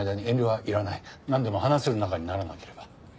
なんでも話せる仲にならなければ。